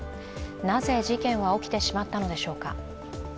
なぜ事件は起きてしまったのでしょうか。